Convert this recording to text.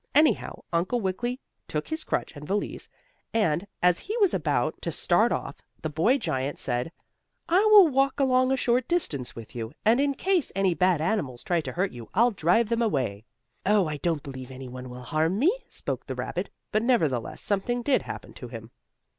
Anyhow Uncle Wiggily took his crutch and valise, and, as he was about to start off, the boy giant said: "I will walk along a short distance with you, and in case any bad animals try to hurt you I'll drive them away." "Oh, I don't believe any one will harm me," spoke the rabbit, but nevertheless something did happen to him.